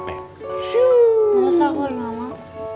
masa aku ini ngamak